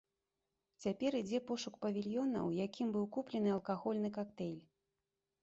Цяпер ідзе пошук павільёна, у якім быў куплены алкагольны кактэйль.